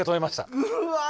うわ。